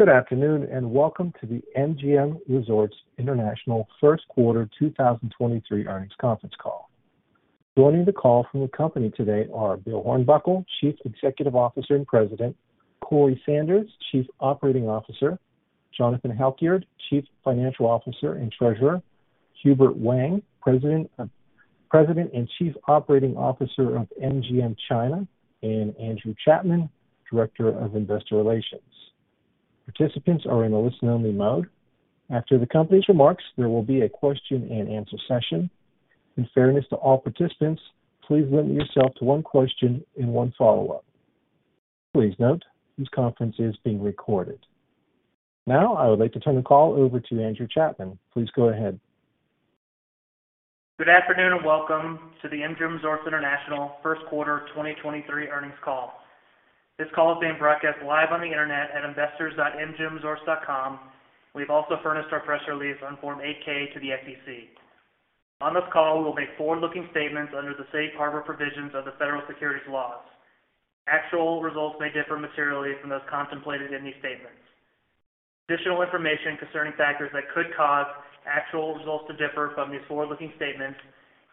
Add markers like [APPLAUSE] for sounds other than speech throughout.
Good afternoon, and welcome to the MGM Resorts International first quarter 2023 earnings conference call. Joining the call from the company today are Bill Hornbuckle, Chief Executive Officer and President, Corey Sanders, Chief Operating Officer, Jonathan Halkyard, Chief Financial Officer and Treasurer, Hubert Wang, President and Chief Operating Officer of MGM China, and Andrew Chapman, Director of Investor Relations. Participants are in a listen-only mode. After the company's remarks, there will be a question-and-answer session. In fairness to all participants, please limit yourself to one question and one follow-up. Please note, this conference is being recorded. I would like to turn the call over to Andrew Chapman. Please go ahead. Good afternoon, welcome to the MGM Resorts International first quarter 2023 earnings call. This call is being broadcast live on the Internet at investors.mgmresorts.com. We've also furnished our press release on Form 8-K to the SEC. On this call, we will make forward-looking statements under the safe harbor provisions of the federal securities laws. Actual results may differ materially from those contemplated in these statements. Additional information concerning factors that could cause actual results to differ from these forward-looking statements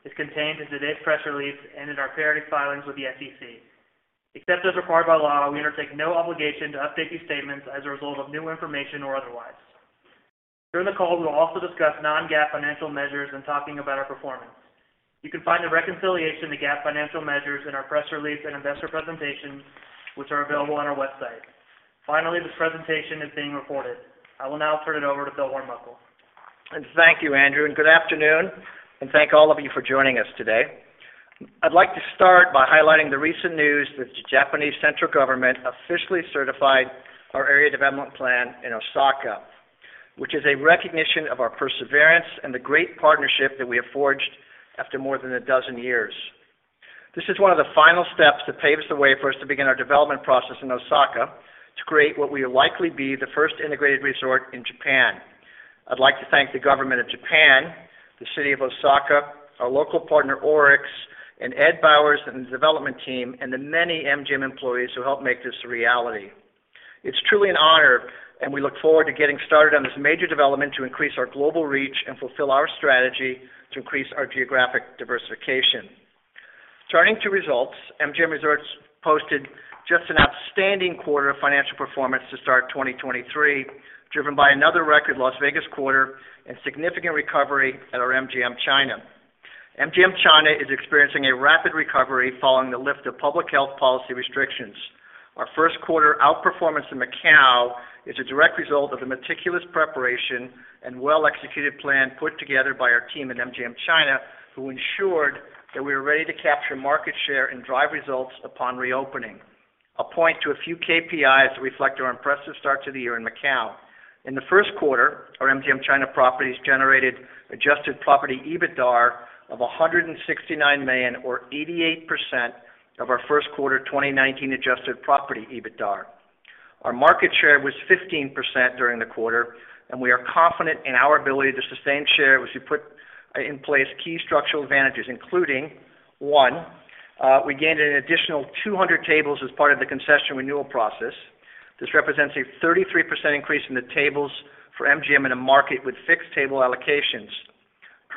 is contained in today's press release and in our periodic filings with the SEC. Except as required by law, we undertake no obligation to update these statements as a result of new information or otherwise. During the call, we'll also discuss non-GAAP financial measures when talking about our performance. You can find the reconciliation to GAAP financial measures in our press release and investor presentations, which are available on our website. Finally, this presentation is being recorded. I will now turn it over to Bill Hornbuckle. Thank you, Andrew, and good afternoon, and thank all of you for joining us today. I'd like to start by highlighting the recent news that the Japanese central government officially certified our Area Development Plan in Osaka, which is a recognition of our perseverance and the great partnership that we have forged after more than 12 years. This is one of the final steps that paves the way for us to begin our development process in Osaka to create what will likely be the first integrated resort in Japan. I'd like to thank the government of Japan, the city of Osaka, our local partner, ORIX, and Ed Bowers and the development team and the many MGM employees who helped make this a reality. It's truly an honor, we look forward to getting started on this major development to increase our global reach and fulfill our strategy to increase our geographic diversification. Turning to results, MGM Resorts posted just an outstanding quarter of financial performance to start 2023, driven by another record Las Vegas quarter and significant recovery at our MGM China. MGM China is experiencing a rapid recovery following the lift of public health policy restrictions. Our first quarter outperformance in Macau is a direct result of the meticulous preparation and well-executed plan put together by our team at MGM China, who ensured that we were ready to capture market share and drive results upon reopening. I'll point to a few KPIs that reflect our impressive start to the year in Macau. In the first quarter, our MGM China properties generated adjusted property EBITDAR of $169 million or 88% of our first quarter 2019 adjusted property EBITDAR. Our market share was 15% during the quarter, we are confident in our ability to sustain share, which we put in place key structural advantages, including, one, we gained an additional 200 tables as part of the concession renewal process. This represents a 33% increase in the tables for MGM in a market with fixed table allocations.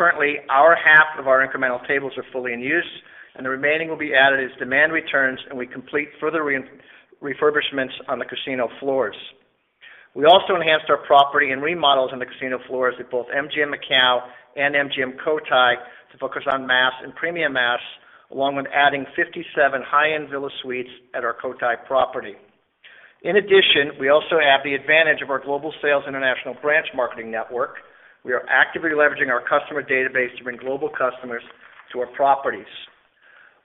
Currently, half of our incremental tables are fully in use, the remaining will be added as demand returns, we complete further refurbishments on the casino floors. We also enhanced our property and remodels on the casino floors at both MGM MACAU and MGM COTAI to focus on mass and premium mass, along with adding 57 high-end villa suites at our COTAI property. In addition, we also have the advantage of our global sales international branch marketing network. We are actively leveraging our customer database to bring global customers to our properties.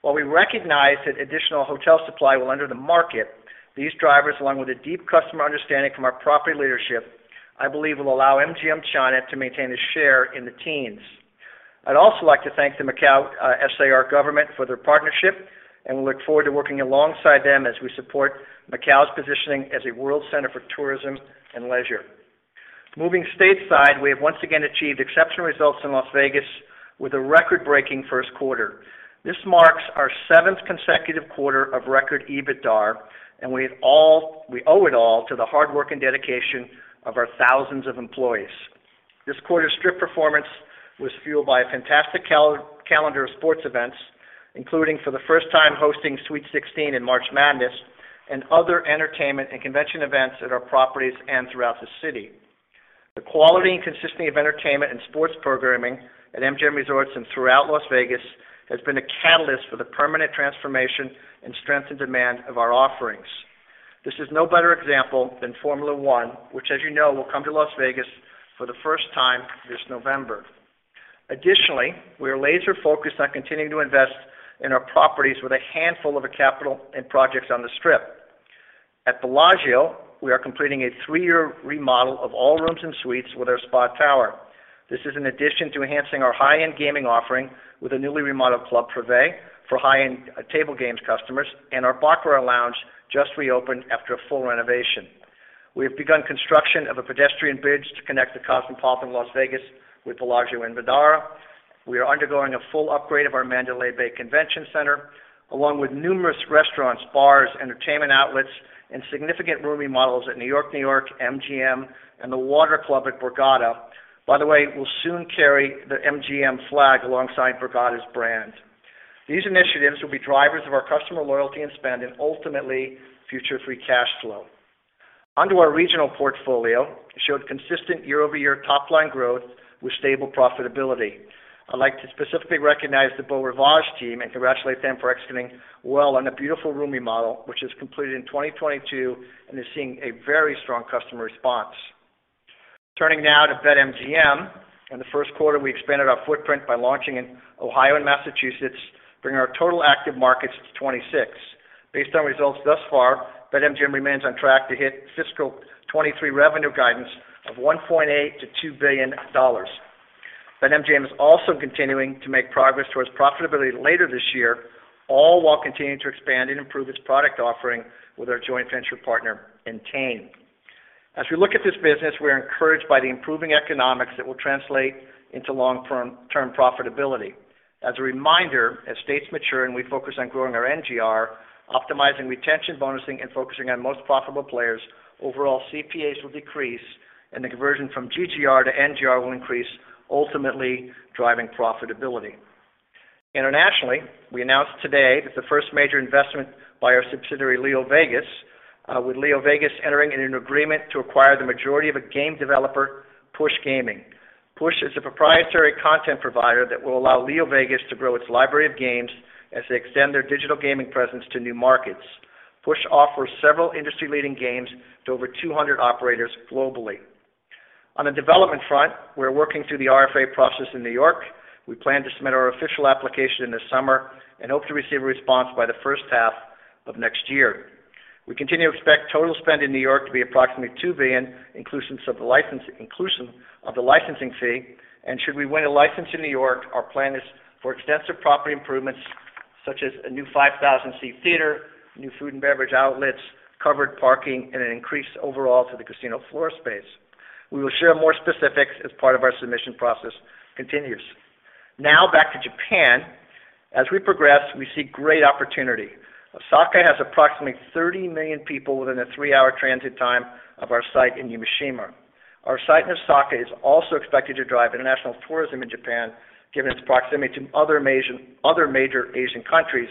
While we recognize that additional hotel supply will enter the market, these drivers, along with a deep customer understanding from our property leadership, I believe will allow MGM China to maintain a share in the teens. I'd also like to thank the Macau SAR government for their partnership, and we look forward to working alongside them as we support Macau's positioning as a world center for tourism and leisure. Moving stateside, we have once again achieved exceptional results in Las Vegas with a record-breaking first quarter. This marks our seventh consecutive quarter of record EBITDAR, and we owe it all to the hard work and dedication of our thousands of employees. This quarter's Strip performance was fueled by a fantastic calendar of sports events, including for the first time hosting Sweet 16 in March Madness and other entertainment and convention events at our properties and throughout the city. The quality and consistency of entertainment and sports programming at MGM Resorts and throughout Las Vegas has been a catalyst for the permanent transformation and strength and demand of our offerings. This is no better example than Formula One, which, as you know, will come to Las Vegas for the first time this November. We are laser-focused on continuing to invest in our properties with a handful of capital and projects on the Strip. At Bellagio, we are completing a three-year remodel of all rooms and suites with our Spa Tower. This is an addition to enhancing our high-end gaming offering with a newly remodeled Club Privé for high-end table games customers, and our Baccarat Lounge just reopened after a full renovation. We have begun construction of a pedestrian bridge to connect the Cosmopolitan Las Vegas with Bellagio and Vdara. We are undergoing a full upgrade of our Mandalay Bay Convention Center, along with numerous restaurants, bars, entertainment outlets, and significant room remodels at New York-New York, MGM, and the Water Club at Borgata. By the way, we'll soon carry the MGM flag alongside Borgata's brand. These initiatives will be drivers of our customer loyalty and spend, and ultimately, future free cash flow. Onto our regional portfolio, it showed consistent year-over-year top line growth with stable profitability. I'd like to specifically recognize the Beau Rivage team and congratulate them for executing well on a beautiful room remodel, which is completed in 2022 and is seeing a very strong customer response. Turning now to BetMGM. In the first quarter, we expanded our footprint by launching in Ohio and Massachusetts, bringing our total active markets to 26. Based on results thus far, BetMGM remains on track to hit fiscal 2023 revenue guidance of $1.8 to 2 billion. BetMGM is also continuing to make progress towards profitability later this year, all while continuing to expand and improve its product offering with our joint venture partner, Entain. As we look at this business, we're encouraged by the improving economics that will translate into long-term profitability. As a reminder, as states mature and we focus on growing our NGR, optimizing retention bonusing and focusing on most profitable players, overall CPAs will decrease and the conversion from GGR to NGR will increase, ultimately driving profitability. Internationally, we announced today that the first major investment by our subsidiary, LeoVegas, with LeoVegas entering in an agreement to acquire the majority of a game developer, Push Gaming. Push is a proprietary content provider that will allow LeoVegas to grow its library of games as they extend their digital gaming presence to new markets. Push offers several industry-leading games to over 200 operators globally. On a development front, we're working through the RFA process in New York. We plan to submit our official application this summer and hope to receive a response by the first half of next year. We continue to expect total spend in New York to be approximately $2 billion, inclusion of the licensing fee. Should we win a license in New York, our plan is for extensive property improvements such as a new 5,000 seat theater, new food and beverage outlets, covered parking, and an increase overall to the casino floor space. We will share more specifics as part of our submission process continues. Back to Japan. As we progress, we see great opportunity. Osaka has approximately 30 million people within a three-hour transit time of our site in Yumeshima. Our site in Osaka is also expected to drive international tourism in Japan, given its proximity to other major Asian countries.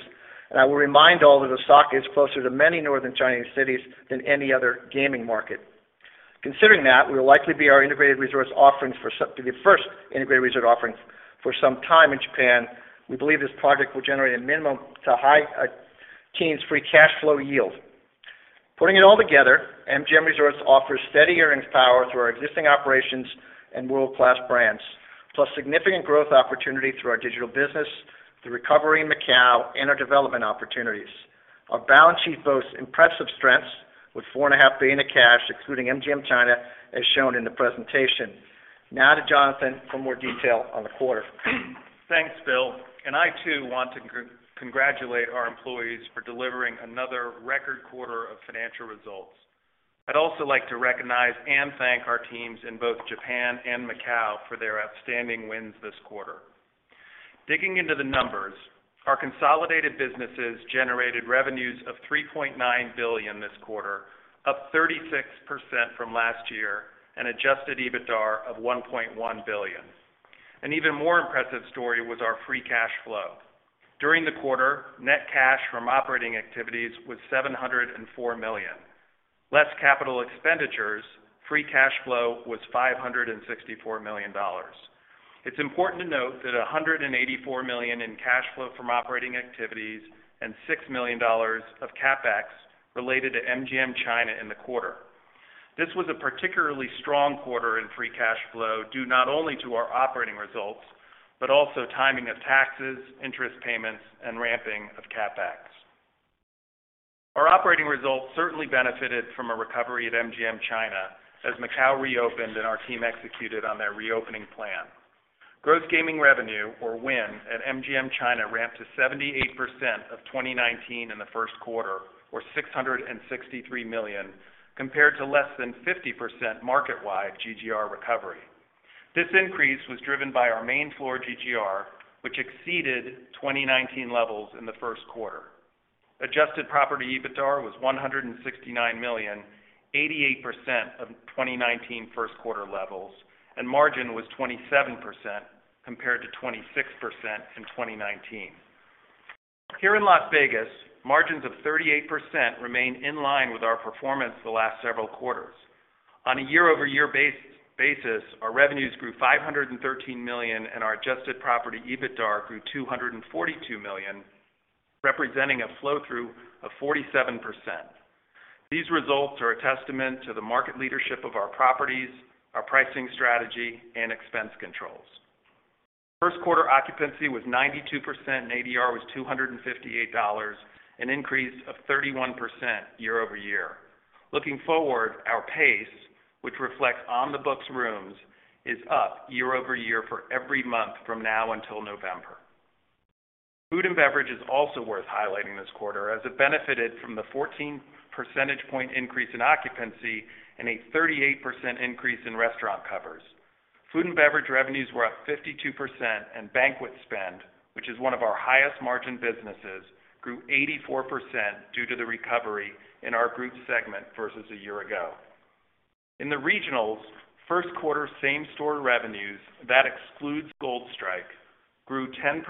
I will remind all that Osaka is closer to many Northern Chinese cities than any other gaming market. Considering that will likely be the first integrated resort offerings for some time in Japan, we believe this project will generate a minimum to high teens free cash flow yield. Putting it all together, MGM Resorts offers steady earnings power through our existing operations and world-class brands, plus significant growth opportunity through our digital business, the recovery in Macau, and our development opportunities. Our balance sheet boasts impressive strengths with $4.5 billion of cash, including MGM China, as shown in the presentation. Now to Jonathan for more detail on the quarter. Thanks, Bill. I too want to congratulate our employees for delivering another record quarter of financial results. I'd also like to recognize and thank our teams in both Japan and Macau for their outstanding wins this quarter. Digging into the numbers, our consolidated businesses generated revenues of $3.9 billion this quarter, up 36% from last year, an adjusted EBITDAR of $1.1 billion. An even more impressive story was our free cash flow. During the quarter, net cash from operating activities was $704 million. Less capital expenditures, free cash flow was $564 million. It's important to note that $184 million in cash flow from operating activities and $6 million of CapEx related to MGM China in the quarter. This was a particularly strong quarter in free cash flow, due not only to our operating results, but also timing of taxes, interest payments, and ramping of CapEx. Our operating results certainly benefited from a recovery at MGM China as Macau reopened and our team executed on their reopening plan. Gross gaming revenue, or win, at MGM China ramped to 78% of 2019 in the first quarter or $663 million, compared to less than 50% market-wide GGR recovery. This increase was driven by our main floor GGR, which exceeded 2019 levels in the first quarter. Adjusted property EBITDAR was $169 million, 88% of 2019 first quarter levels, and margin was 27% compared to 26% in 2019. Here in Las Vegas, margins of 38% remain in line with our performance the last several quarters. On a year-over-year basis, our revenues grew $513 million, and our adjusted property EBITDAR grew $242 million, representing a flow through of 47%. These results are a testament to the market leadership of our properties, our pricing strategy, and expense controls. First quarter occupancy was 92% and ADR was $258 million, an increase of 31% year-over-year. Looking forward, our pace, which reflects on the books rooms, is up year-over-year for every month from now until November. Food and beverage is also worth highlighting this quarter as it benefited from the 14 percentage point increase in occupancy and a 38% increase in restaurant covers. Food and beverage revenues were up 52%. Banquet spend, which is one of our highest margin businesses, grew 84% due to the recovery in our group segment versus a year ago. In the regionals, first quarter same-store revenues that excludes Gold Strike grew 10%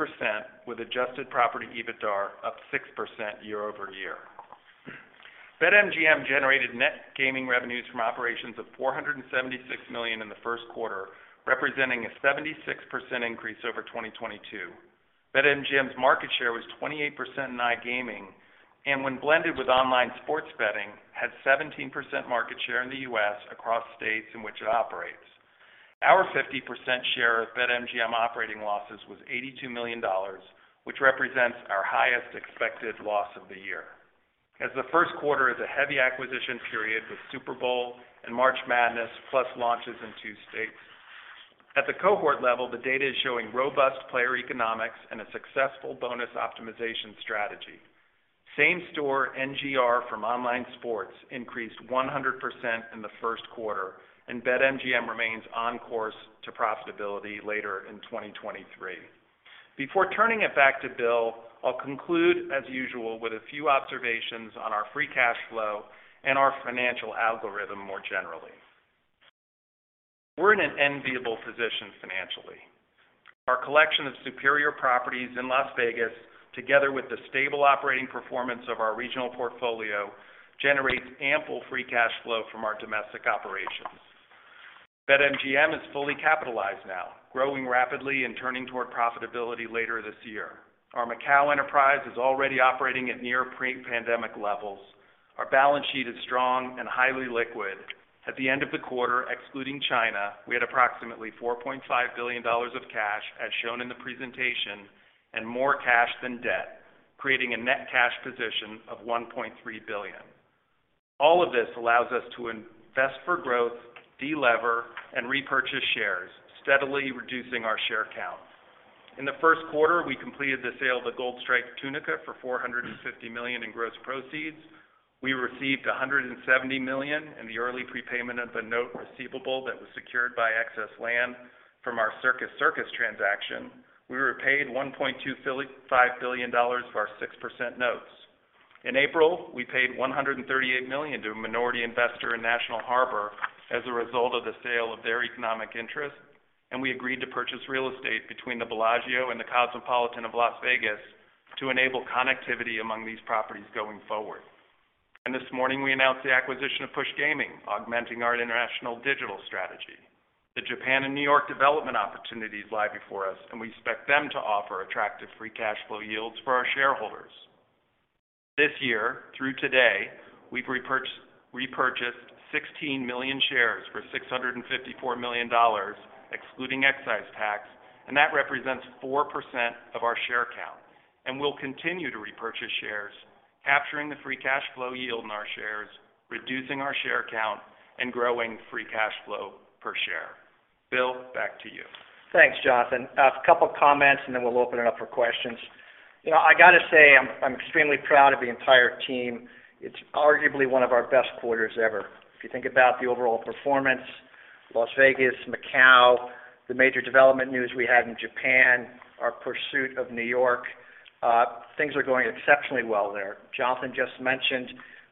with adjusted property EBITDAR up 6% year-over-year. BetMGM generated net gaming revenues from operations of $476 million in the first quarter, representing a 76% increase over 2022. BetMGM's market share was 28% in iGaming. When blended with online sports betting, had 17% market share in the US across states in which it operates. Our 50% share of BetMGM operating losses was $82 million, which represents our highest expected loss of the year. The first quarter is a heavy acquisition period with Super Bowl and March Madness, plus launches in two states. At the cohort level, the data is showing robust player economics and a successful bonus optimization strategy. Same store NGR from online sports increased 100% in the first quarter. BetMGM remains on course to profitability later in 2023. Before turning it back to Bill, I'll conclude as usual with a few observations on our free cash flow and our financial algorithm more generally. We're in an enviable position financially. Our collection of superior properties in Las Vegas, together with the stable operating performance of our regional portfolio, generates ample free cash flow from our domestic operations. BetMGM is fully capitalized now, growing rapidly and turning toward profitability later this year. Our Macau enterprise is already operating at near pre-pandemic levels. Our balance sheet is strong and highly liquid. At the end of the quarter, excluding China, we had approximately $4.5 billion of cash as shown in the presentation, and more cash than debt, creating a net cash position of $1.3 billion. All of this allows us to invest for growth, delever, and repurchase shares, steadily reducing our share count. In the first quarter, we completed the sale of the Gold Strike Tunica for $450 million in gross proceeds. We received $170 million in the early prepayment of the note receivable that was secured by excess land from our Circus Circus transaction. We were paid $1.25 billion for our 6% notes. In April, we paid $138 million to a minority investor in National Harbor as a result of the sale of their economic interest, and we agreed to purchase real estate between the Bellagio and the Cosmopolitan of Las Vegas to enable connectivity among these properties going forward. This morning we announced the acquisition of Push Gaming, augmenting our international digital strategy. The Japan and New York development opportunities lie before us, and we expect them to offer attractive free cash flow yields for our shareholders. This year, through today, we've repurchased 16 million shares for $654 million, excluding excise tax, and that represents 4% of our share count. We'll continue to repurchase shares, capturing the free cash flow yield in our shares, reducing our share count, and growing free cash flow per share. Bill, back to you. Thanks, Jonathan. A couple of comments and then we'll open it up for questions. You know, I gotta say I'm extremely proud of the entire team. It's arguably one of our best quarters ever. If you think about the overall performance, Las Vegas, Macau, the major development news we had in Japan, our pursuit of New York, things are going exceptionally well there. Jonathan just mentioned,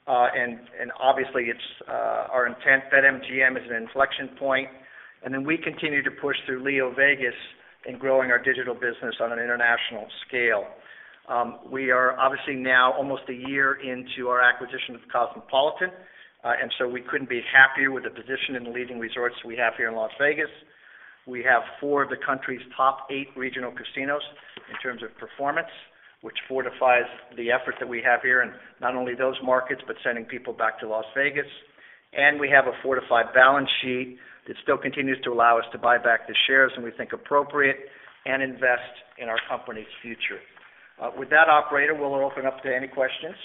and obviously, it's our intent. BetMGM is an inflection point, and then we continue to push through LeoVegas in growing our digital business on an international scale. We are obviously now almost a year into our acquisition of Cosmopolitan, and so we couldn't be happier with the position in the leading resorts we have here in Las Vegas. We have four of the country's top eight regional casinos in terms of performance, which fortifies the effort that we have here in not only those markets, but sending people back to Las Vegas. We have a fortified balance sheet that still continues to allow us to buy back the shares when we think appropriate and invest in our company's future. With that, operator, we'll open up to any questions.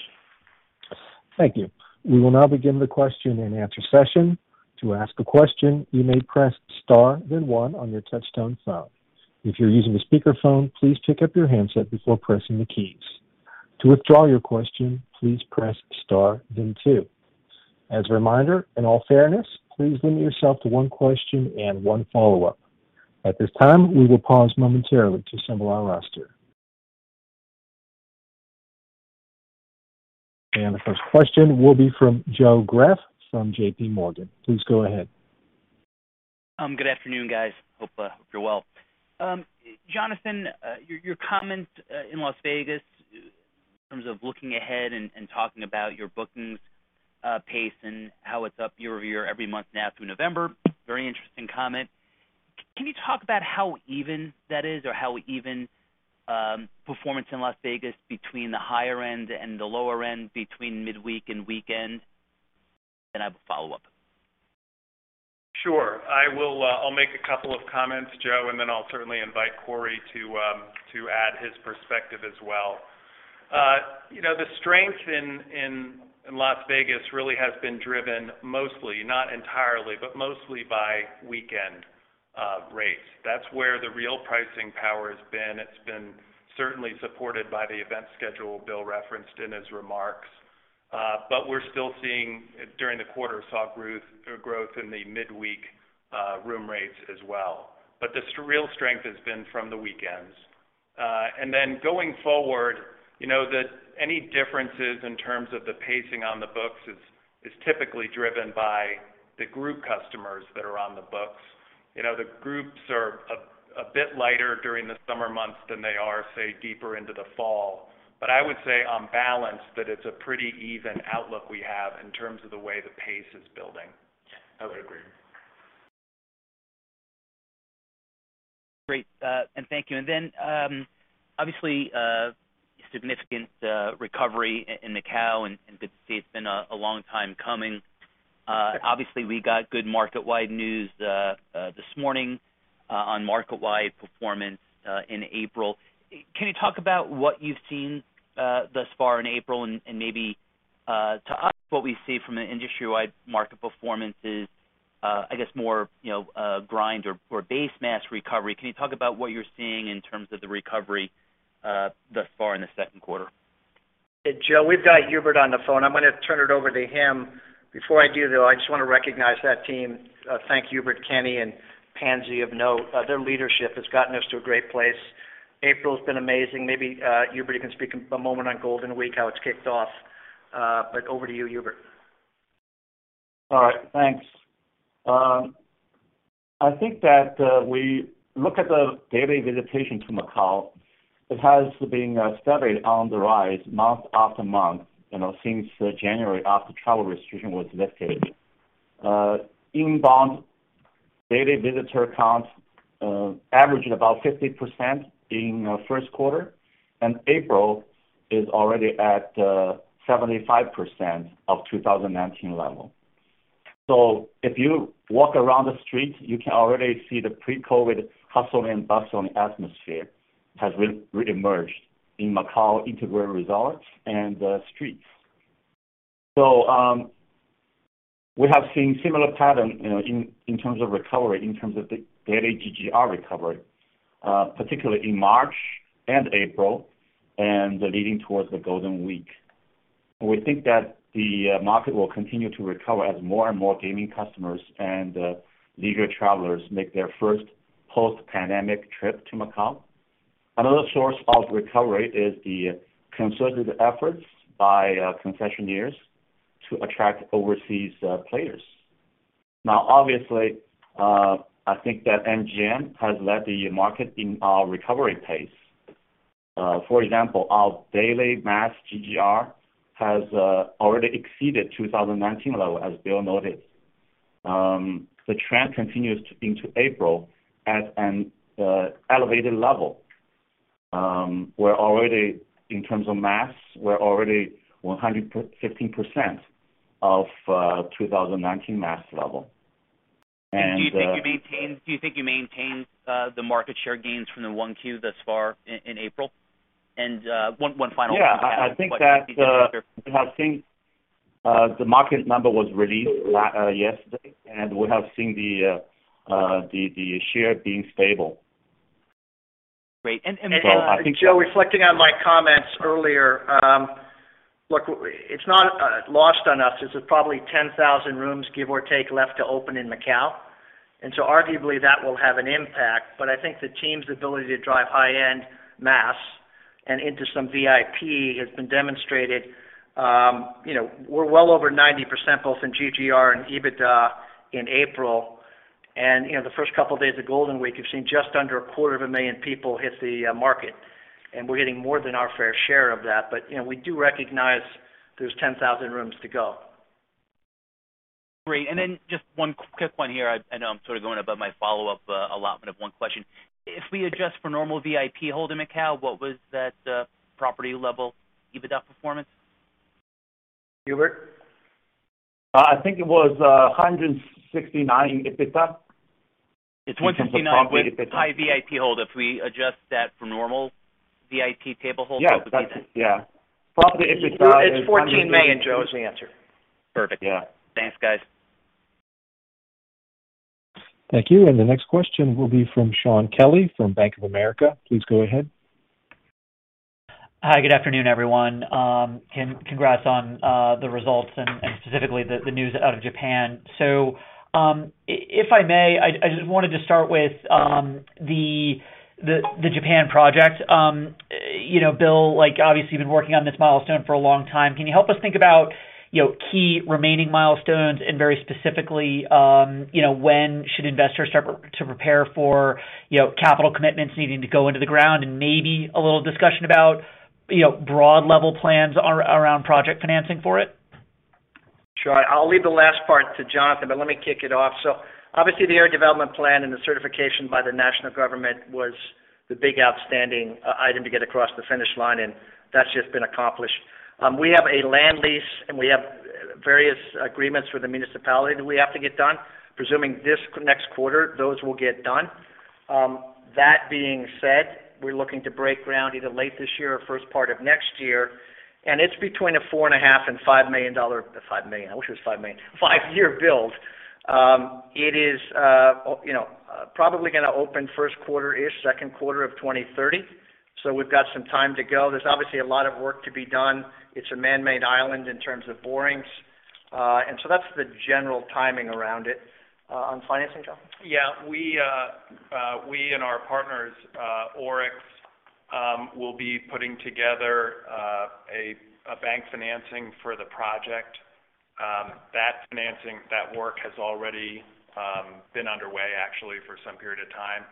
Thank you. We will now begin the question-and-answer session. To ask a question, you may press star then one on your touchtone phone. If you're using a speakerphone, please pick up your handset before pressing the keys. To withdraw your question, please press star then two. As a reminder, in all fairness, please limit yourself to one question and one follow-up. At this time, we will pause momentarily to assemble our roster. The first question will be from Joe Greff from JPMorgan. Please go ahead. Good afternoon, guys. Hope you're well. Jonathan, your comment in Las Vegas in terms of looking ahead and talking about your bookings pace and how it's up year-over-year every month now through November. Very interesting comment. Can you talk about how even that is or how even performance in Las Vegas between the higher end and the lower end, between midweek and weekend? I have a follow-up. Sure. I will, I'll make a couple of comments, Joe, and then I'll certainly invite Corey to add his perspective as well. You know, the strength in Las Vegas really has been driven mostly, not entirely, but mostly by weekend rates. That's where the real pricing power has been. It's been certainly supported by the event schedule Bill referenced in his remarks. We're still seeing during the quarter, saw growth in the midweek room rates as well. The real strength has been from the weekends. Going forward, you know, any differences in terms of the pacing on the books is typically driven by the group customers that are on the books. You know, the groups are a bit lighter during the summer months than they are, say, deeper into the fall. I would say on balance that it's a pretty even outlook we have in terms of the way the pace is building. I would agree. Great. Thank you. Obviously, significant recovery in Macau, and good to see it's been a long time coming. We got good market-wide news this morning on market-wide performance in April. Can you talk about what you've seen thus far in April and maybe to us what we see from an industry-wide market performance is I guess more, you know, grind or base mass recovery? Can you talk about what you're seeing in terms of the recovery thus far in the second quarter? Joe, we've got Hubert on the phone. I'm gonna turn it over to him. Before I do, though, I just wanna recognize that team. Thank Hubert, Kenny and Pansy of Note. Their leadership has gotten us to a great place. April's been amazing. Maybe, Hubert, you can speak a moment on Golden Week, how it's kicked off. Over to you, Hubert. All right. Thanks. I think that we look at the daily visitation to Macau. It has been steadily on the rise month after month, you know, since January, after travel restriction was lifted. Inbound daily visitor count averaging about 50% in first quarter, and April is already at 75% of 2019 level. If you walk around the streets, you can already see the pre-COVID hustle and bustle and atmosphere has reemerged in Macau integrated resorts and streets. We have seen similar pattern, you know, in terms of recovery, in terms of the daily GGR recovery, particularly in March and April, and leading towards the Golden Week. We think that the market will continue to recover as more and more gaming customers and leisure travelers make their first post-pandemic trip to Macau. Another source of recovery is the concerted efforts by concessionaires to attract overseas players. Obviously, I think that MGM has led the market in our recovery pace. For example, our daily mass GGR has already exceeded 2019 level, as Bill noted. The trend continues into April at an elevated level. We're already, in terms of mass, we're already 115% of 2019 mass level... [CROSSTALK] Do you think you maintained the market share gains from the first quarter thus far in April? one final- Yeah. I think that, we have seen, the market number was released, yesterday, and we have seen the share being stable. Great. Joe, reflecting on my comments earlier, look, it's not lost on us. There's probably 10,000 rooms, give or take, left to open in Macau. Arguably that will have an impact. I think the team's ability to drive high-end mass and into some VIP has been demonstrated. You know, we're well over 90% both in GGR and EBITDA in April. You know, the first couple of days of Golden Week, you've seen just under a quarter of a million people hit the market. We're getting more than our fair share of that. You know, we do recognize there's 10,000 rooms to go. Great. Just one quick one here. I know I'm sort of going above my follow-up allotment of one question. If we adjust for normal VIP hold in Macau, what was that property level EBITDA performance? Hubert? I think it was, $169 million EBITDA. It's $169 million with high VIP hold. If we adjust that for normal VIP table hold... [CROSSTALK] Yeah. That's it. Yeah. Property EBITDA. It's $14 million, Joe, is the answer. Perfect. Yeah. Thanks, guys. Thank you. The next question will be from Shaun Kelley from Bank of America. Please go ahead. Hi. Good afternoon, everyone. Congrats on the results and specifically the news out of Japan. If I may, I just wanted to start with the Japan project. You know, Bill, like, obviously you've been working on this milestone for a long time. Can you help us think about, you know, key remaining milestones and very specifically, you know, when should investors start to prepare for, you know, capital commitments needing to go into the ground and maybe a little discussion about, you know, broad level plans around project financing for it? I'll leave the last part to Jonathan but let me kick it off. Obviously, the Area Development Plan and the certification by the national government was the big outstanding item to get across the finish line, and that's just been accomplished. We have various agreements with the municipality that we have to get done. Presuming this next quarter, those will get done. That being said, we're looking to break ground either late this year or first part of next year, and it's between a $4.5 million and $5 million. I wish it was $5 million. five-year build. It is, you know, probably going to open first quarter-ish, second quarter of 2030. We've got some time to go. There's obviously a lot of work to be done. It's a man-made island in terms of borings; that's the general timing around it. On financing, Joe? Yeah. We and our partners, ORIX, will be putting together a bank financing for the project. That financing, that work has already been underway actually for some period of time.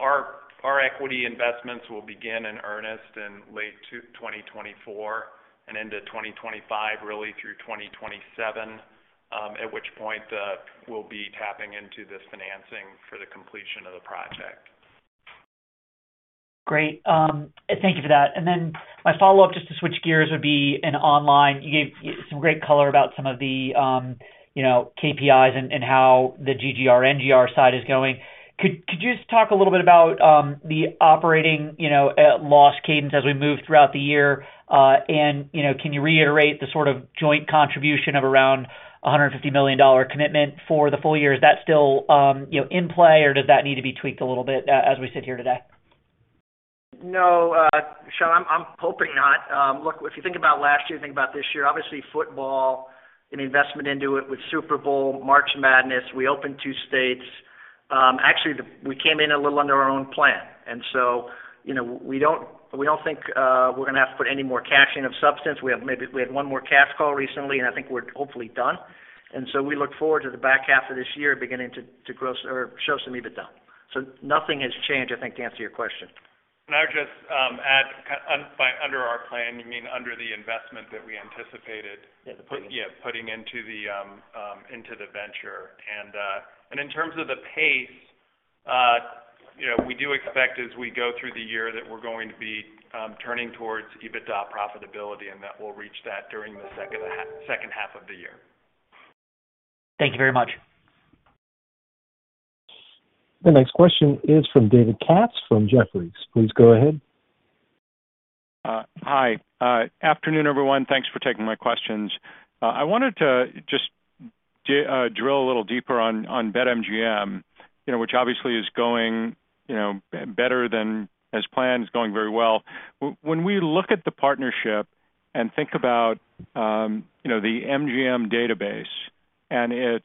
Our equity investments will begin in earnest in late 2024 and into 2025, really through 2027, at which point, we'll be tapping into this financing for the completion of the project. Great. Thank you for that. My follow-up, just to switch gears, would be in online. You gave some great color about some of the, you know, KPIs and how the GGR/NGR side is going. Could you just talk a little bit about the operating, you know, loss cadence as we move throughout the year? You know, can you reiterate the sort of joint contribution of around a $150 million commitment for the full year? Is that still, you know, in play, or does that need to be tweaked a little bit as we sit here today? No, Shaun, I'm hoping not. Look, if you think about last year, think about this year, obviously football and investment into it with Super Bowl, March Madness, we opened two states. Actually, we came in a little under our own plan. You know, we don't, we don't think, we're gonna have to put any more cash in of substance. We had one more cash call recently, and I think we're hopefully done. We look forward to the back half of this year beginning to grow or show some EBITDA. Nothing has changed, I think, to answer your question. I would just, add by under our plan, you mean under the investment that we anticipated... [CROSSTALK] Yeah. yeah, putting into the venture. In terms of the pace, you know, we do expect as we go through the year that we're going to be turning towards EBITDA profitability, and that we'll reach that during the second half of the year. Thank you very much. The next question is from David Katz from Jefferies. Please go ahead. Hi. Afternoon, everyone. Thanks for taking my questions. I wanted to just drill a little deeper on BetMGM, you know, which obviously is going, you know, better than as planned, is going very well. When we look at the partnership and think about, you know, the MGM database and its,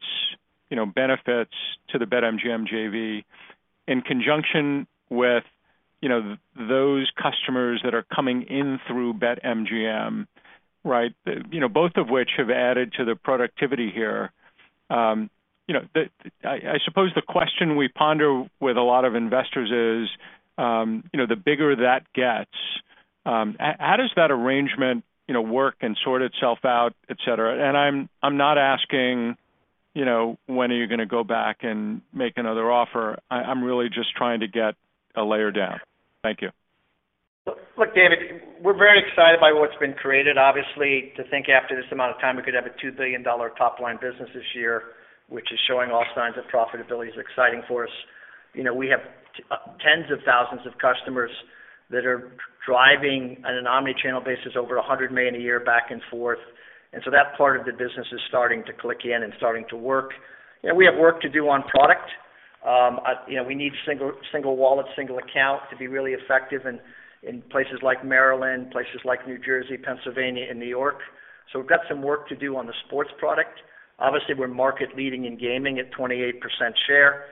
you know, benefits to the BetMGM JV in conjunction with, you know, those customers that are coming in through BetMGM, right? You know, both of which have added to the productivity here. You know, I suppose the question we ponder with a lot of investors is, you know, the bigger that gets, how does that arrangement, you know, work and sort itself out, et cetera? I'm not asking, you know, when are you gonna go back and make another offer. I'm really just trying to get a layer down. Thank you. Look, David, we're very excited by what's been created. Obviously, to think after this amount of time, we could have a $2 billion top-line business this year, which is showing all signs of profitability is exciting for us. You know, we have tens of thousands of customers that are driving on an omni-channel basis over $100 million a year back and forth. That part of the business is starting to click in and starting to work. We have work to do on product. You know, we need single wallet, single account to be really effective in places like Maryland, places like New Jersey, Pennsylvania, and New York. We've got some work to do on the sports product. Obviously, we're market leading in gaming at 28% share,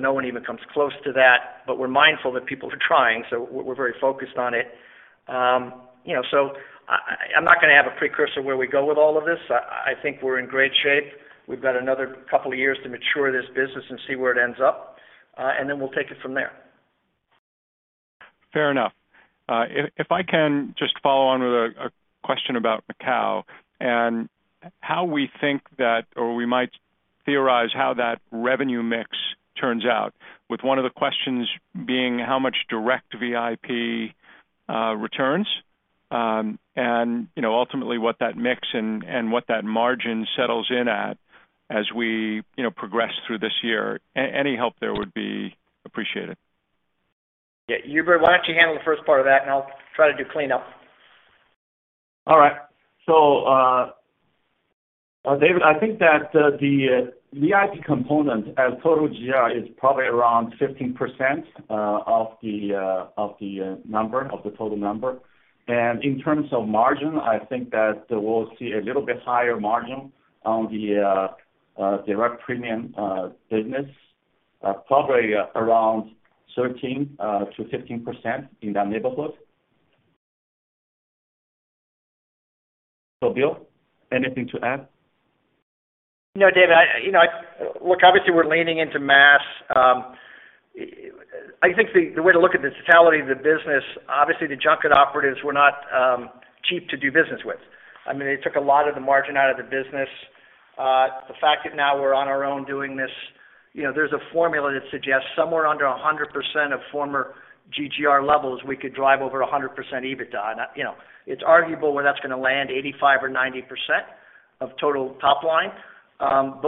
no one even comes close to that. We're mindful that people are trying, we're very focused on it. You know, I'm not gonna have a precursor where we go with all of this. I think we're in great shape. We've got another couple of years to mature this business and see where it ends up, we'll take it from there. Fair enough. If I can just follow on with a question about Macau and how we think that or we might theorize how that revenue mix turns out, with one of the questions being how much direct VIP returns, and, you know, ultimately, what that mix and what that margin settles in at as we, you know, progress through this year. Any help there would be appreciated. Yeah. Hubert, why don't you handle the first part of that, and I'll try to do cleanup. All right. David, I think that the VIP component as total GGR is probably around 15% of the total number. In terms of margin, I think that we'll see a little bit higher margin on the direct premium business, probably around 13% to 15% in that neighborhood. Bill, anything to add? No, David, I, you know, look, obviously, we're leaning into mass. I think the way to look at the totality of the business, obviously, the junket operatives were not cheap to do business with. I mean, they took a lot of the margin out of the business. The fact that now we're on our own doing this, you know, there's a formula that suggests somewhere under 100% of former GGR levels, we could drive over 100% EBITDA. You know, it's arguable where that's gonna land 85% or 90% of total top line. But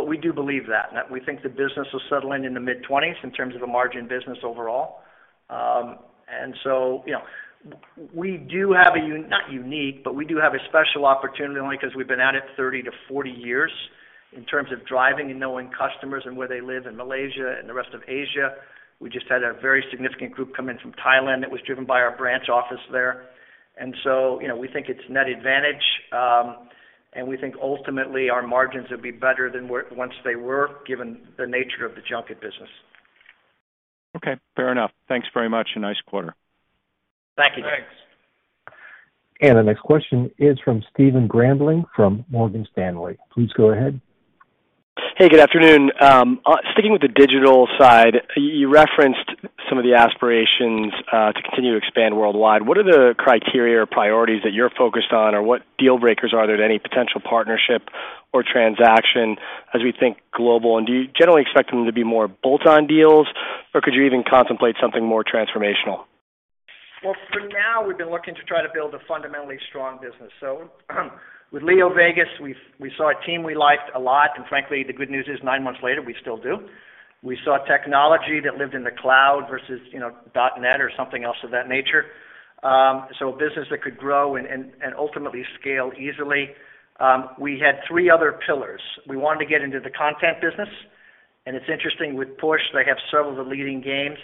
we do believe that, and that we think the business will settle in the mid-twenties in terms of the margin business overall. You know, we do have a special opportunity only 'cause we've been at it 30 to 40 years in terms of driving and knowing customers and where they live in Malaysia and the rest of Asia. We just had a very significant group come in from Thailand that was driven by our branch office there. You know, we think it's net advantage, and we think ultimately our margins would be better than once they were, given the nature of the junket business. Okay, fair enough. Thanks very much. Nice quarter. Thank you. Thanks. The next question is from Stephen Grambling from Morgan Stanley. Please go ahead. Hey, good afternoon. Sticking with the digital side, you referenced some of the aspirations to continue to expand worldwide. What are the criteria or priorities that you're focused on, or what deal breakers are there to any potential partnership or transaction as we think global? Do you generally expect them to be more bolt-on deals, or could you even contemplate something more transformational? For now, we've been looking to try to build a fundamentally strong business. With LeoVegas, we saw a team we liked a lot, and frankly, the good news is nine months later, we still do. We saw technology that lived in the cloud versus, you know, .NET or something else of that nature. A business that could grow and ultimately scale easily. We had three other pillars. We wanted to get into the content business, and it's interesting with Push, they have several of the leading games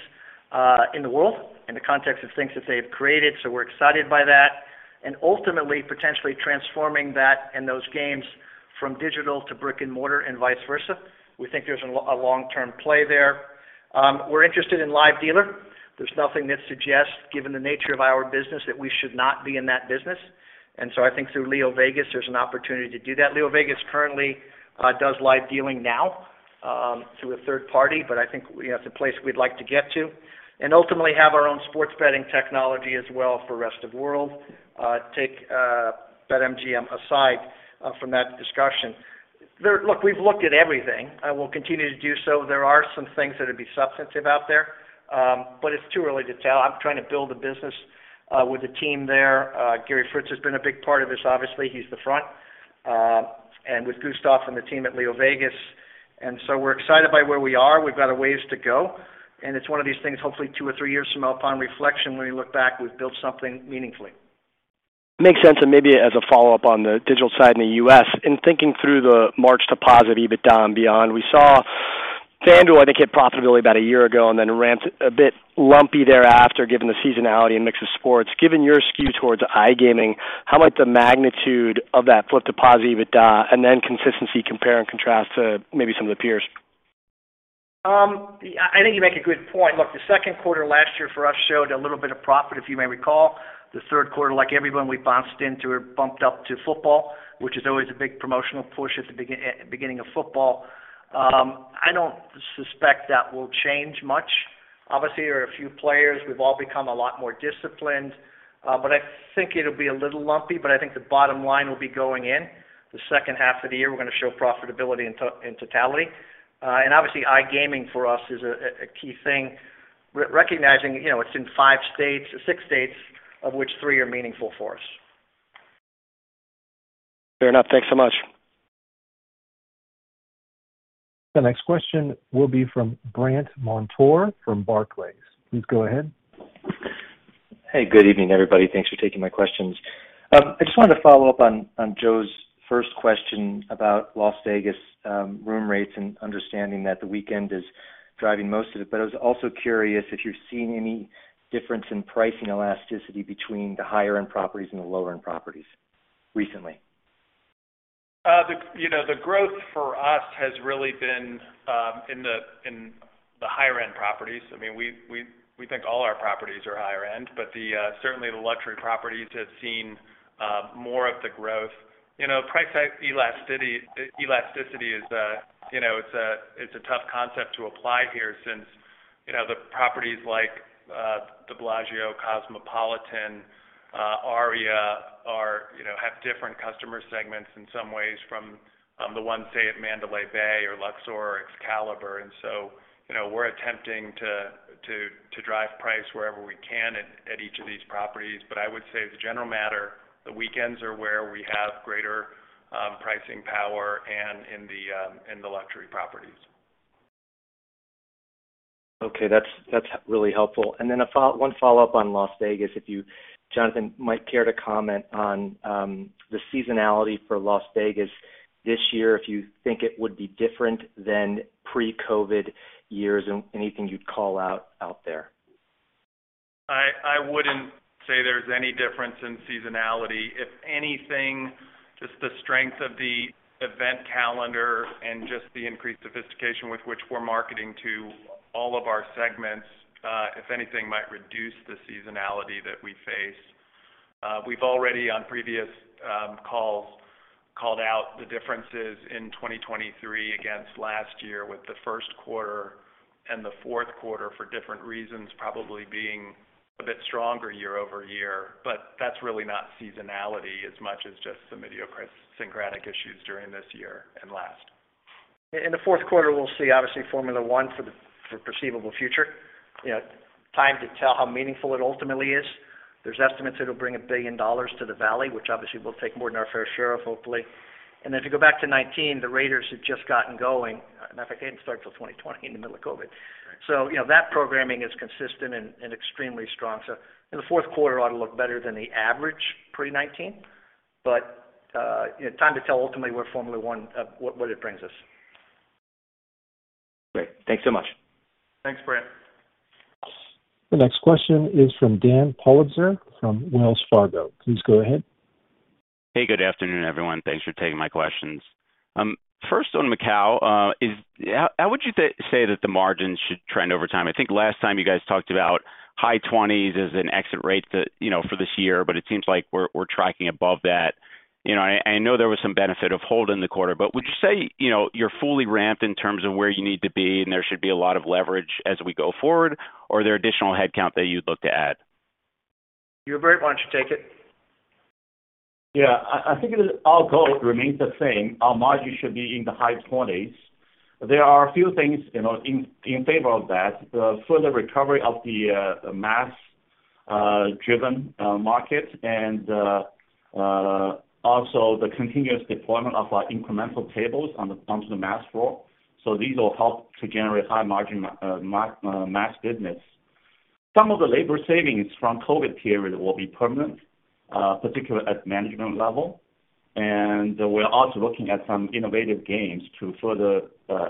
in the world in the context of things that they have created, so we're excited by that. Ultimately, potentially transforming that and those games from digital to brick-and-mortar and vice versa. We think there's a long-term play there. We're interested in live dealer. There's nothing that suggests, given the nature of our business, that we should not be in that business. I think through LeoVegas, there's an opportunity to do that. LeoVegas currently does live dealing now through a third party, but I think we have the place we'd like to get to. Ultimately have our own sports betting technology as well for rest of world, take BetMGM aside from that discussion. Look, we've looked at everything. I will continue to do so. There are some things that would be substantive out there, but it's too early to tell. I'm trying to build a business with the team there. Gary Fritz has been a big part of this, obviously. He's the front. And with Gustav and the team at LeoVegas. We're excited by where we are. We've got a ways to go, and it's one of these things, hopefully two or three years from now, upon reflection, when we look back, we've built something meaningfully. Makes sense. Maybe as a follow-up on the digital side in the US, in thinking through the March deposit, EBITDA, and beyond, we saw FanDuel, I think, hit profitability about a year ago and then ramped a bit lumpy thereafter, given the seasonality and mix of sports. Given your skew towards iGaming, how might the magnitude of that flip to posit EBITDA and then consistency compare and contrast to maybe some of the peers? Yeah, I think you make a good point. Look, the second quarter last year for us showed a little bit of profit, if you may recall. The third quarter, like everyone, we bounced into or bumped up to football, which is always a big promotional push at the beginning of football. I don't suspect that will change much. Obviously, there are a few players. We've all become a lot more disciplined, but I think it'll be a little lumpy, but I think the bottom line will be going in. The second half of the year, we're gonna show profitability in totality. Obviously, iGaming for us is a key thing. Recognizing, you know, it's in five states, six states of which three are meaningful for us. Fair enough. Thanks so much. The next question will be from Brandt Montour from Barclays. Please go ahead. Hey, good evening, everybody. Thanks for taking my questions. I just wanted to follow up on Joe's first question about Las Vegas room rates and understanding that the weekend is driving most of it. I was also curious if you're seeing any difference in pricing elasticity between the higher-end properties and the lower-end properties recently. The, you know, the growth for us has really been in the higher-end properties. I mean, we think all our properties are higher end, but certainly the luxury properties have seen more of the growth. You know, price elasticity is a, you know, it's a tough concept to apply here since. You know, the properties like The Bellagio, Cosmopolitan, Aria are, you know, have different customer segments in some ways from the ones, say, at Mandalay Bay or Luxor or Excalibur. You know, we're attempting to drive price wherever we can at each of these properties. But I would say as a general matter, the weekends are where we have greater pricing power and in the luxury properties. Okay. That's really helpful. Then one follow-up on Las Vegas, if you, Jonathan, might care to comment on the seasonality for Las Vegas this year, if you think it would be different than pre-COVID years, and anything you'd call out there. I wouldn't say there's any difference in seasonality. If anything, just the strength of the event calendar and just the increased sophistication with which we're marketing to all of our segments, if anything, might reduce the seasonality that we face. We've already, on previous calls, called out the differences in 2023 against last year with the first quarter and the fourth quarter for different reasons, probably being a bit stronger year-over-year, but that's really not seasonality as much as just some idiosyncratic issues during this year and last. In the fourth quarter, we'll see obviously Formula One for the foreseeable future. You know, time to tell how meaningful it ultimately is. There's estimates it'll bring $1 billion to the valley, which obviously we'll take more than our fair share of, hopefully. Then if you go back to 2019, the Raiders had just gotten going. Matter of fact, they didn't start till 2020 in the middle of COVID. You know that programming is consistent and extremely strong. The fourth quarter ought to look better than the average pre-2019. You know, time to tell ultimately where Formula One what it brings us. Great. Thanks so much. Thanks, Brandt. The next question is from Dan Politzer from Wells Fargo. Please go ahead. Hey, good afternoon, everyone. Thanks for taking my questions. First on Macau, how would you say that the margins should trend over time? I think last time you guys talked about high 20s as an exit rate that, you know, for this year, it seems like we're tracking above that. You know, I know there was some benefit of hold in the quarter, would you say, you know, you're fully ramped in terms of where you need to be and there should be a lot of leverage as we go forward, or are there additional headcount that you'd look to add? You're, why don't you take it? Yeah. I think our goal remains the same. Our margin should be in the high 20s. There are a few things, you know, in favor of that. The further recovery of the mass driven market and also the continuous deployment of our incremental tables on the, onto the mass floor. These will help to generate high margin mass business. Some of the labor savings from COVID period will be permanent, particularly at management level. We're also looking at some innovative games to further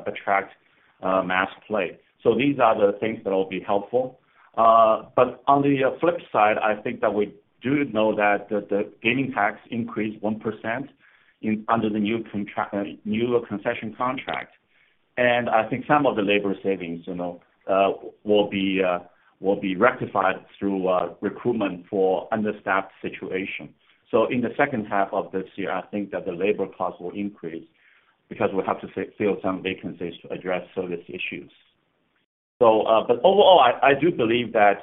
attract mass play. These are the things that will be helpful. On the flip side, I think that we do know that the gaming tax increased 1% under the new concession contract. I think some of the labor savings, you know, will be rectified through recruitment for understaffed situation. In the second half of this year, I think that the labor cost will increase because we'll have to fill some vacancies to address service issues. Overall, I do believe that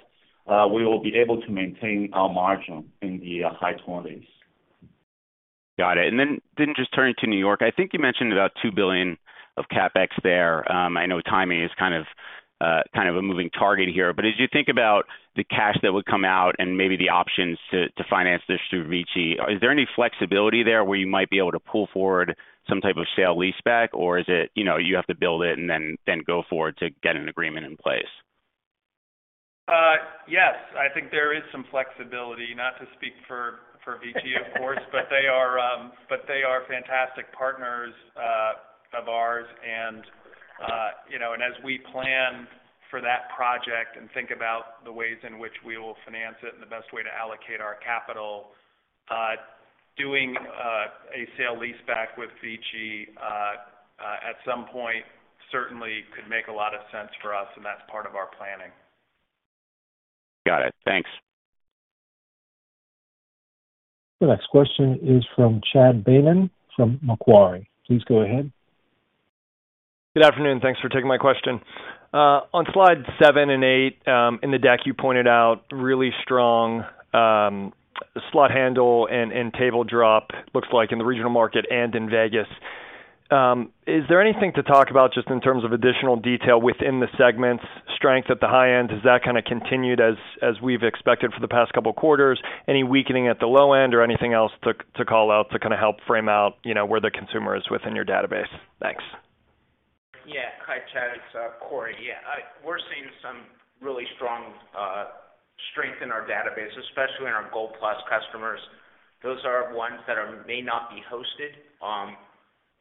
we will be able to maintain our margin in the high 20s%. Got it. Then just turning to New York. I think you mentioned about $2 billion of CapEx there. I know timing is kind of a moving target here. As you think about the cash that would come out and maybe the options to finance this through Vici, is there any flexibility there where you might be able to pull forward some type of sale leaseback? Or is it, you know, you have to build it and then go forward to get an agreement in place? Yes. I think there is some flexibility, not to speak for Vici, of course. They are fantastic partners of ours. You know, and as we plan for that project and think about the ways in which we will finance it and the best way to allocate our capital, doing a sale leaseback with Vici at some point, certainly could make a lot of sense for us, and that's part of our planning. Got it. Thanks. The next question is from Chad Beynon from Macquarie. Please go ahead. Good afternoon. Thanks for taking my question. On slide seven and eight in the deck, you pointed out really strong slot handle and table drop looks like in the regional market and in Vegas. Is there anything to talk about just in terms of additional detail within the segments, strength at the high end? Has that kind of continued as we've expected for the past two quarters? Any weakening at the low end or anything else to call out to kind of help frame out, you know, where the consumer is within your database? Thanks. Yeah. Hi, Chad. It's Corey. Yeah. We're seeing some really strong strength in our database, especially in our Gold Plus customers. Those are ones that may not be hosted,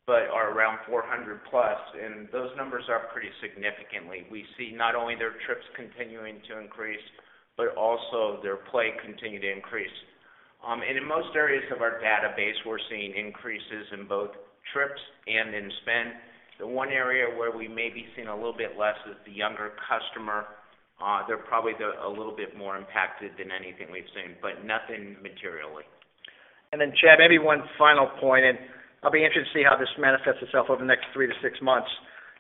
but are around 400+, and those numbers are pretty significantly. We see not only their trips continuing to increase, but also their play continue to increase. In most areas of our database, we're seeing increases in both trips and in spend. The one area where we may be seeing a little bit less is the younger customer. They're probably a little bit more impacted than anything we've seen, but nothing materially. Chad, maybe one final point, and I'll be interested to see how this manifests itself over the next three to six months.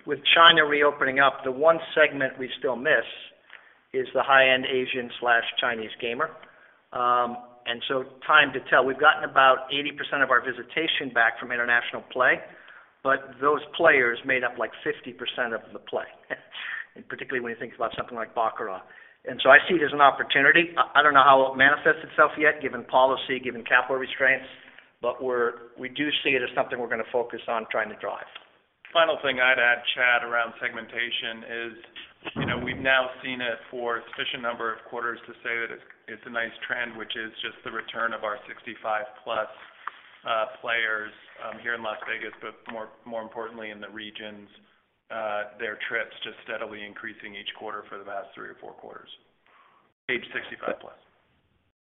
With China reopening up, the one segment we still miss is the high-end Asian/Chinese gamer. Time to tell. We've gotten about 80% of our visitation back from international play, but those players made up like 50% of the play, and particularly when you think about something like Baccarat. I see it as an opportunity. I don't know how it manifests itself yet, given policy, given capital restraints, but we do see it as something we're gonna focus on trying to drive. Final thing I'd add, Chad, around segmentation is, you know, we've now seen it for a sufficient number of quarters to say that it's a nice trend, which is just the return of our 65 plus players here in Las Vegas, but more, more importantly in the regions, their trips just steadily increasing each quarter for the past three or four quarters. Age 65 plus.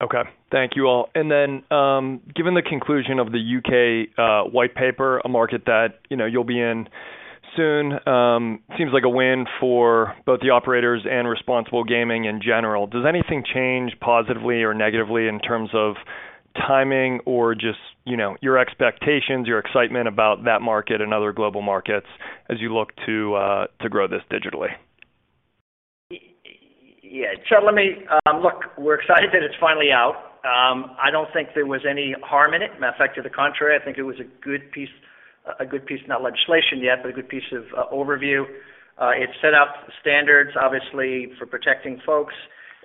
Okay. Thank you all. Given the conclusion of the UK White Paper, a market that, you know, you'll be in soon, seems like a win for both the operators and responsible gaming in general. Does anything change positively or negatively in terms of? Timing or just, you know, your expectations, your excitement about that market and other global markets as you look to to grow this digitally. Look, we're excited that it's finally out. I don't think there was any harm in it. Matter of fact, to the contrary, I think it was a good piece, not legislation yet, but a good piece of overview. It set out standards, obviously, for protecting folks.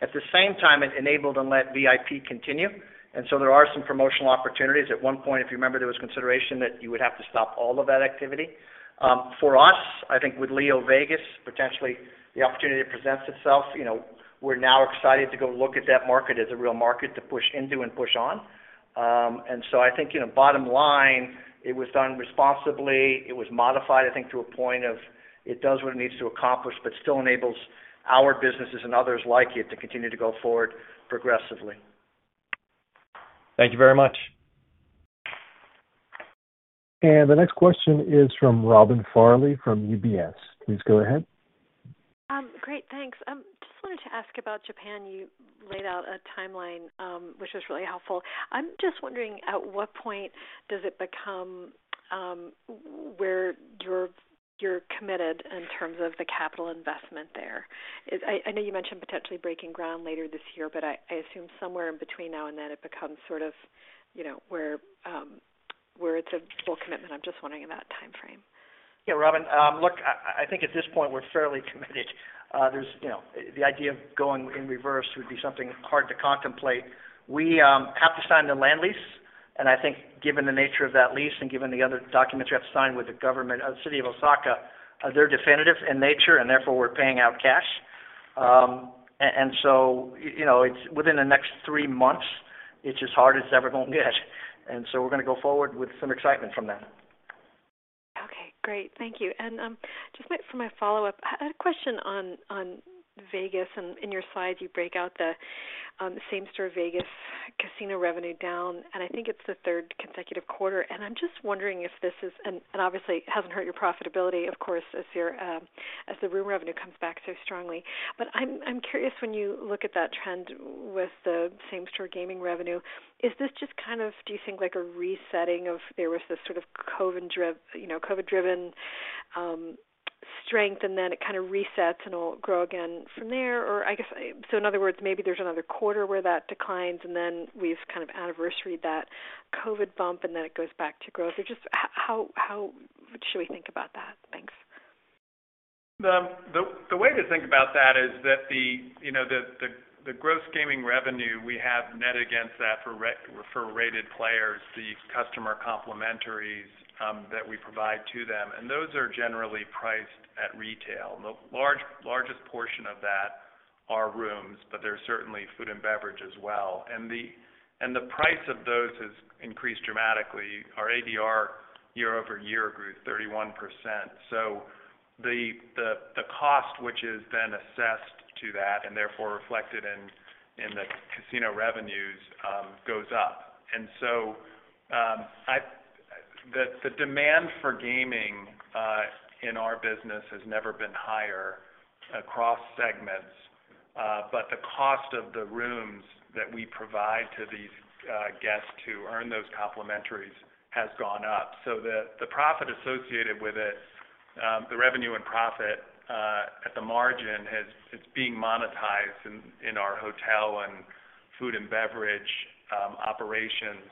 At the same time, it enabled and let VIP continue, there are some promotional opportunities. At one point, if you remember, there was consideration that you would have to stop all of that activity. For us, I think with LeoVegas, potentially the opportunity presents itself. You know, we're now excited to go look at that market as a real market to push into and push on. I think, you know, bottom line, it was done responsibly. It was modified, I think, to a point of it does what it needs to accomplish but still enables our businesses and others like it to continue to go forward progressively. Thank you very much. The next question is from Robin Farley from UBS. Please go ahead. Great, thanks. Just wanted to ask about Japan. You laid out a timeline, which was really helpful. I'm just wondering at what point does it become where you're committed in terms of the capital investment there is? I know you mentioned potentially breaking ground later this year, but I assume somewhere in between now and then it becomes sort of, you know, where it's a full commitment. I'm just wondering about timeframe? Yeah, Robin, look, I think at this point we're fairly committed. There's, you know, the idea of going in reverse would be something hard to contemplate. We have to sign the land lease. I think given the nature of that lease and given the other documents you have to sign with the government of the city of Osaka, they're definitive in nature, we're paying out cash. You know, it's within the next three months, it's as hard as it's ever gonna get. We're gonna go forward with some excitement from that. Okay, great. Thank you. Just might for my follow-up. A question on Vegas. In your slides, you break out the same store Vegas casino revenue down, and I think it's the third consecutive quarter. I'm just wondering if this is. Obviously it hasn't hurt your profitability, of course, as the room revenue comes back so strongly. I'm curious, when you look at that trend with the same store gaming revenue, is this just kind of do you think like a resetting of there was this sort of you know, COVID-driven strength and then it kind of resets and it'll grow again from there? In other words, maybe there's another quarter where that declines and then we've kind of anniversary that COVID bump and then it goes back to growth? Just how should we think about that? Thanks. The way to think about that is that, you know, the gross gaming revenue we have net against that for rated players, the customer complimentaries that we provide to them, and those are generally priced at retail. The largest portion of that are rooms, but there's certainly food and beverage as well. The price of those has increased dramatically. Our ADR year-over-year grew 31%. The cost, which is then assessed to that and therefore reflected in the casino revenues, goes up. The demand for gaming in our business has never been higher across segments. The cost of the rooms that we provide to these guests who earn those complimentaries has gone up. The, the profit associated with it, the revenue and profit, at the margin it's being monetized in our hotel and food and beverage operations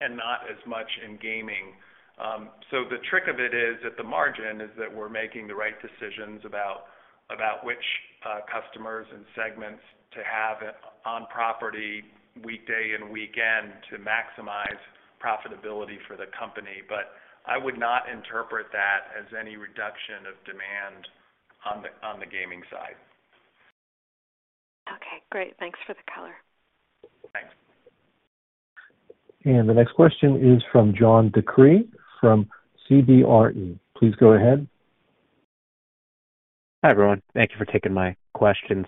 and not as much in gaming. The trick of it is, at the margin, is that we're making the right decisions about which customers and segments to have it on property weekday and weekend to maximize profitability for the company. I would not interpret that as any reduction of demand on the gaming side. Okay, great. Thanks for the color. Thanks. The next question is from John DeCree from CBRE. Please go ahead. Hi, everyone. Thank you for taking my questions.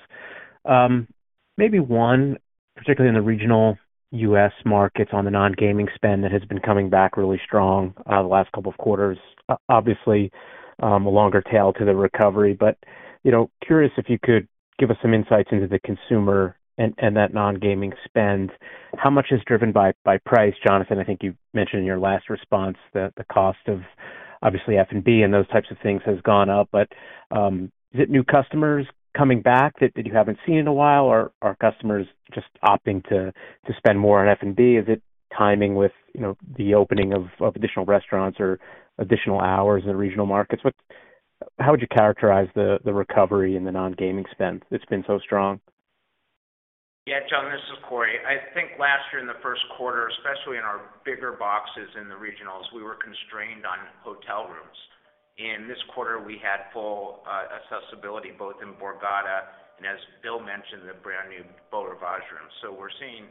Maybe one, particularly in the regional US markets on the non-gaming spend that has been coming back really strong, the last couple of quarters. Obviously, a longer tail to the recovery, but you know, curious if you could give us some insights into the consumer and that non-gaming spend, how much is driven by price. Jonathan, I think you mentioned in your last response that the cost of obviously F&B and those types of things has gone up. Is it new customers coming back that you haven't seen in a while? Or are customers just opting to spend more on F&B? Is it timing with, you know, the opening of additional restaurants or additional hours in regional markets? How would you characterize the recovery in the non-gaming spend that's been so strong? John, this is Corey. I think last year in the first quarter, especially in our bigger boxes in the regionals, we were constrained on hotel rooms. In this quarter, we had full accessibility both in Borgata and as Bill mentioned, the brand-new Beau Rivage rooms. We're seeing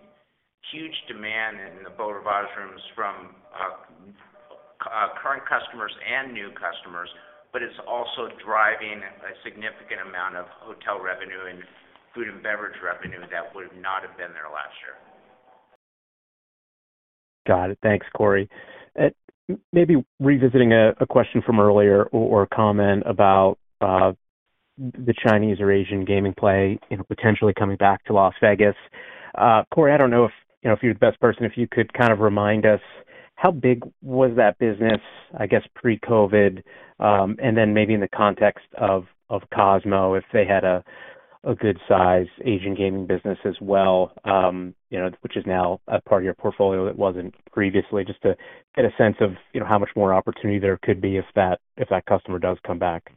huge demand in the Beau Rivage rooms from current customers and new customers. It's also driving a significant amount of hotel revenue and food and beverage revenue that would not have been there last year. Got it. Thanks, Corey. maybe revisiting a question from earlier or a comment about the Chinese or Asian gaming play, you know, potentially coming back to Las Vegas. Corey, I don't know if, you know, if you're the best person, if you could kind of remind us how big was that business, I guess, pre-COVID, and then maybe in the context of Cosmo, if they had a good size Asian gaming business as well, you know, which is now a part of your portfolio that wasn't previously, just to get a sense of, you know, how much more opportunity there could be if that customer does come back.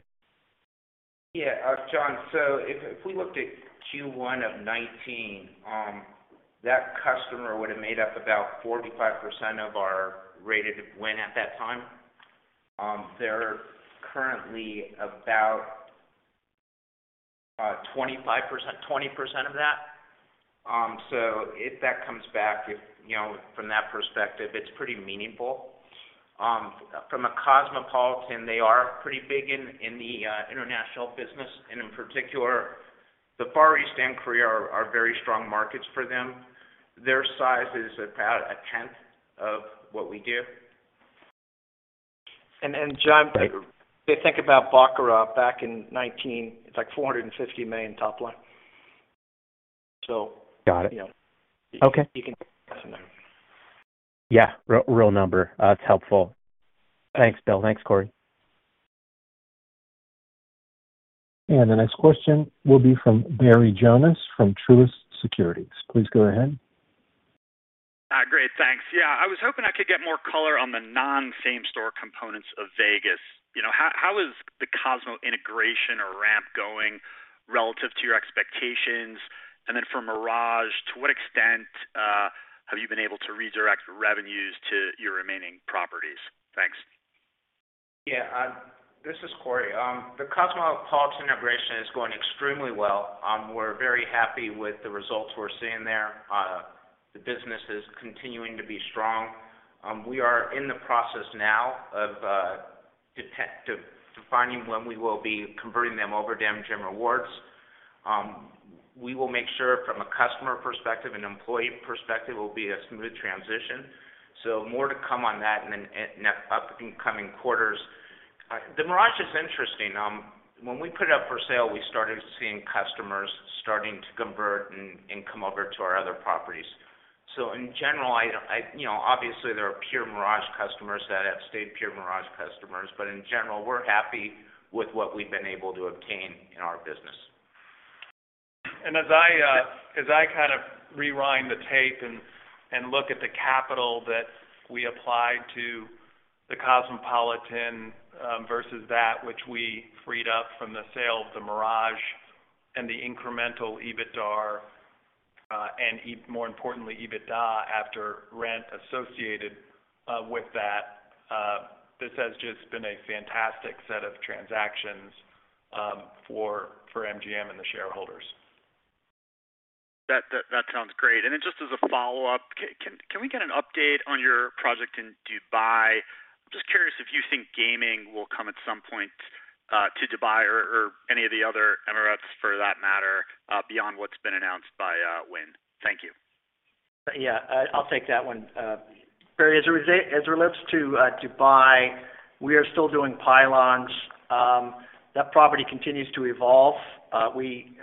John, if we looked at first quarter of 2019, that customer would've made up about 45% of our rated win at that time. They're currently about 20% of that. If that comes back, if, you know, from that perspective it's pretty meaningful. From a Cosmopolitan, they are pretty big in the international business. In particular, the Far East and Korea are very strong markets for them. Their size is about a tenth of what we do. John, if you think about Baccarat back in 2019, it's like $450 million top line. Got it. You know... [CROSSTALK] Okay. You can do the math... [INAUDIBLE] [CROSSTALK] Yeah. real number. It's helpful. Thanks, Bill. Thanks, Corey. The next question will be from Barry Jonas from Truist Securities. Please go ahead. Great. Thanks. Yeah. I was hoping I could get more color on the non-same store components of Vegas. You know, how is the Cosmo integration or ramp going relative to your expectations? Then for Mirage, to what extent have you been able to redirect revenues to your remaining properties? Thanks. Yeah. This is Corey. The Cosmopolitan integration is going extremely well. We're very happy with the results we're seeing there. The business is continuing to be strong. We are in the process now of to finding when we will be converting them over to MGM Rewards. We will make sure from a customer perspective and employee perspective it will be a smooth transition. More to come on that in coming quarters. The Mirage is interesting. When we put it up for sale, we started seeing customers starting to convert and come over to our other properties. In general, I, you know, obviously there are pure Mirage customers that have stayed pure Mirage customers, but in general, we're happy with what we've been able to obtain in our business. As I kind of rewind the tape and look at the capital that we applied to the Cosmopolitan, versus that which we freed up from the sale of the Mirage and the incremental EBITDAR, and more importantly, EBITDA after rent associated with that, this has just been a fantastic set of transactions for MGM and the shareholders. That sounds great. Then just as a follow-up, can we get an update on your project in Dubai? Just curious if you think gaming will come at some point to Dubai or any of the other Emirates for that matter, beyond what's been announced by Wynn. Thank you. I'll take that one. Barry, as it relates to Dubai, we are still doing pylons. That property continues to evolve. We,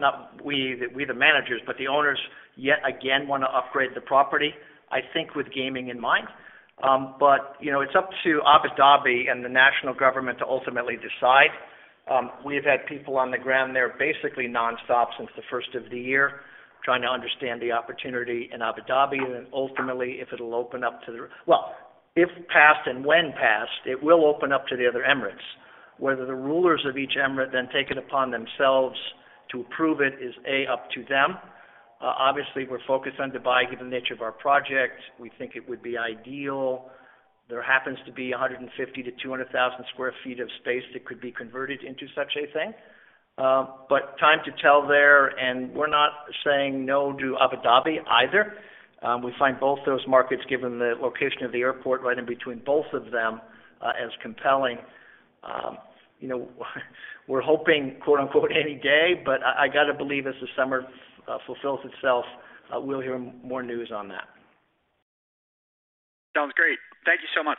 not we the managers, but the owners yet again wanna upgrade the property, I think with gaming in mind. You know, it's up to Abu Dhabi and the national government to ultimately decide. We've had people on the ground there basically nonstop since the first of the year, trying to understand the opportunity in Abu Dhabi, and then ultimately, if it'll open up to the... well, if passed and when passed, it will open up to the other Emirates. Whether the rulers of each emirate then take it upon themselves to approve it is, A, up to them. Obviously, we're focused on Dubai, given the nature of our project. We think it would be ideal. There happens to be 150,000 to 200,000 sq ft of space that could be converted into such a thing. Time to tell there, and we're not saying no to Abu Dhabi either. We find both those markets, given the location of the airport right in between both of them, as compelling. You know, we're hoping quote-unquote, "Any day," but I gotta believe as the summer fulfills itself, we'll hear more news on that. Sounds great. Thank you so much.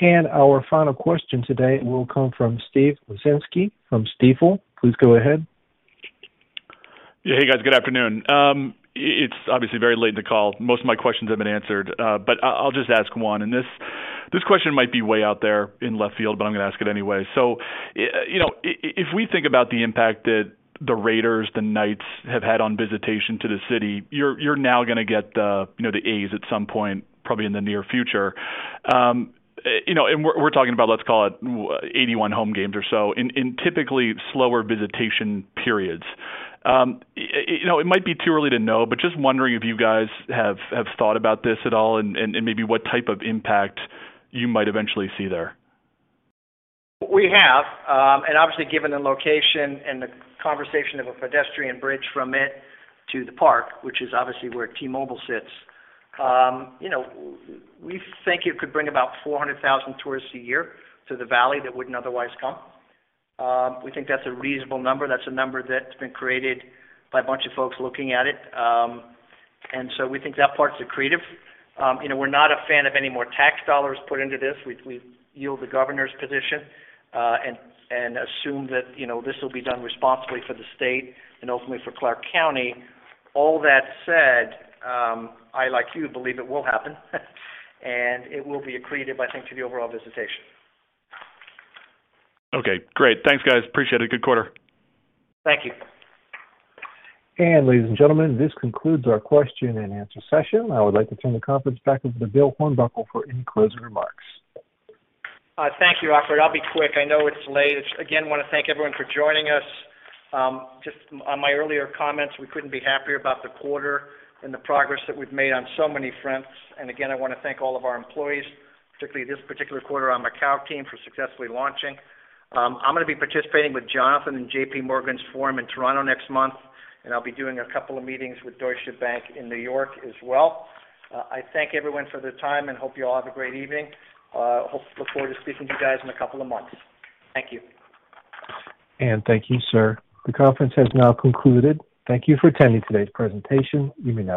Yeah. Our final question today will come from Steve Wieczynski from Stifel. Please go ahead. Yeah. Hey, guys. Good afternoon. It's obviously very late in the call. Most of my questions have been answered, but I'll just ask one. This question might be way out there in left field, but I'm gonna ask it anyway. You know, if we think about the impact that the Raiders, the Knights have had on visitation to the city, you're now gonna get the, you know, the A's at some point, probably in the near future. You know, we're talking about, let's call it 81 home games or so in typically slower visitation periods. You know, it might be too early to know but just wondering if you guys have thought about this at all and maybe what type of impact you might eventually see there. We have. Obviously given the location and the conversation of a pedestrian bridge from it to the park, which is obviously where T-Mobile sits, you know, we think it could bring about 400,000 tourists a year to the valley that wouldn't otherwise come. We think that's a reasonable number. That's a number that's been created by a bunch of folks looking at it. So, we think that part's accretive. You know, we're not a fan of any more tax dollars put into this. We yield the governor's position, and assume that, you know, this will be done responsibly for the state and ultimately for Clark County. All that said, I, like you, believe it will happen, and it will be accretive, I think, to the overall visitation. Okay, great. Thanks, guys. Appreciate it. Good quarter. Thank you. Ladies and gentlemen, this concludes our question and answer session. I would like to turn the conference back over to Bill Hornbuckle for any closing remarks. Thank you, Alfred. I'll be quick. I know it's late. Wanna thank everyone for joining us. Just on my earlier comments, we couldn't be happier about the quarter and the progress that we've made on so many fronts. I wanna thank all of our employees, particularly this particular quarter, our Macau team, for successfully launching. I'm gonna be participating with Jonathan in JPMorgan's forum in Toronto next month, and I'll be doing a couple of meetings with Deutsche Bank in New York as well. I thank everyone for their time and hope you all have a great evening. Look forward to speaking to you guys in a couple of months. Thank you. Thank you, sir. The conference has now concluded. Thank you for attending today's presentation. You may disconnect.